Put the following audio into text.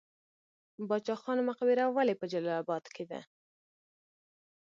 باچا خان مقبره ولې په جلال اباد کې ده؟